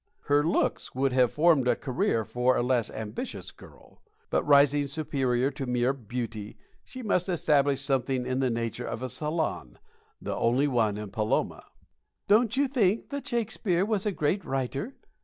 Her looks would have formed a career for a less ambitious girl; but, rising superior to mere beauty, she must establish something in the nature of a salon the only one in Paloma. "Don't you think that Shakespeare was a great writer?"